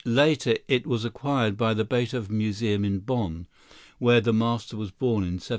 Later it was acquired by the Beethoven Museum, in Bonn, where the master was born in 1772.